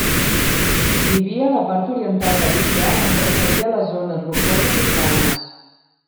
Vivia a la part oriental de l'illa, on preferia les zones rocoses i planes.